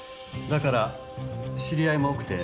だから知り合いも多くて